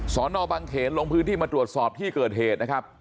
สอนอบังเขนลงพื้นที่มาตรวจสอบที่เกิดเหตุนะครับ